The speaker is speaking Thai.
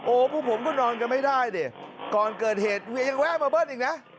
พวกผมก็นอนกันไม่ได้ดิก่อนเกิดเหตุเวียยังแวะมาเบิ้ลอีกนะ